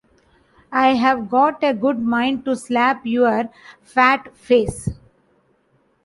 I've got a good mind to slap your fat face!